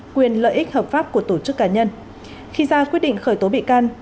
quyền lợi ích hợp pháp của tổ chức cá nhân khi ra quyết định khởi tố bị can